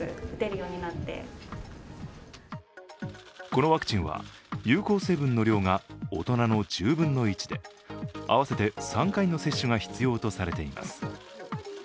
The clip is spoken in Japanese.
このワクチンは有効成分の量が大人の１０分の１で合わせて３回の接種が必要とされています。